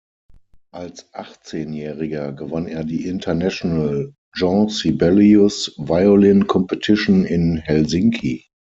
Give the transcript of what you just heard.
Als Achtzehnjähriger gewann er die International Jean Sibelius Violin Competition in Helsinki.